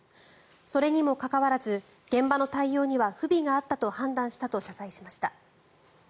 それにもかかわらず現場の対応には不備があったと判断したと謝罪しました。